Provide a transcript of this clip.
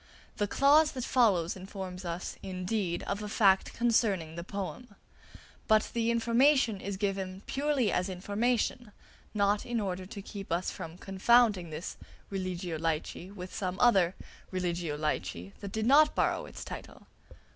The clause that follows informs us, indeed, of a fact concerning the poem; but the information is given purely as information, not in order to keep us from confounding this "Religio Laici" with some other "Religio Laici" that did not borrow its title.